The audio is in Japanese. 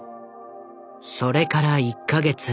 それから１か月。